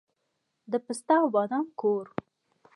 د پسته او بادام کور.